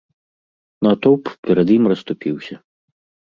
Натоўп перад ім расступіўся.